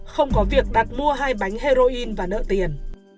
không có việc đặt mua hai bánh heroin và nợ tiền